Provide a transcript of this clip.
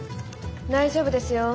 大丈夫ですよ。